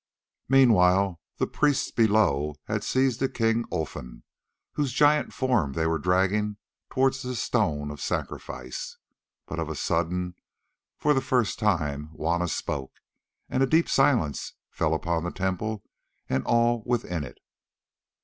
Meanwhile the priests below had seized the king Olfan, whose giant form they were dragging towards the stone of sacrifice. But of a sudden, for the first time Juanna spoke, and a deep silence fell upon the temple and all within it.